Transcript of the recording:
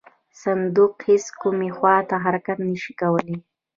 صندوق هیڅ کومې خواته حرکت نه شي کولی.